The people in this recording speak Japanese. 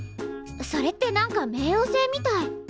それって何か冥王星みたい。